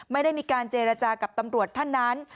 ไม่ได้มีการเจรจากับตำรวจท่านนั้น